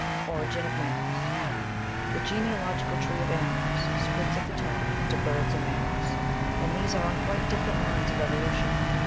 Origin of Mammals The genealogical tree of animals splits at the top into Birds and Mammals, and these are on quite di£ferent lines of evolution.